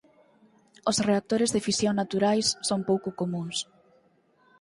Os reactores de fisión naturais son pouco comúns.